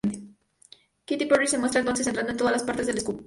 Katy Perry se muestra entonces entrando en todas las partes en el encubrimiento.